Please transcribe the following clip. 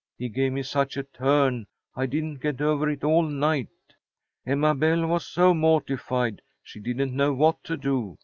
He gave me such a turn, I didn't get over it all night. Emma Belle was so mortified she didn't know what to do.